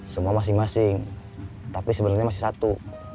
semua masing masing tapi sebenarnya masih satu